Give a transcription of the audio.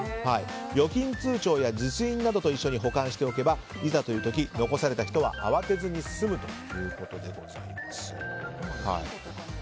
預金通帳や実印などと保管しておけばいざという時に残された人は慌てずに済むということです。